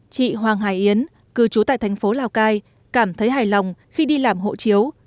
chị hoàng hải yến cư trú tại thành phố lào cai cảm thấy hài lòng khi đi làm hộ chiếu